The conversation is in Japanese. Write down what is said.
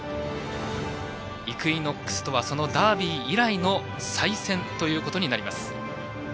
イクイノックスとはそのダービー以来の再戦ということになります。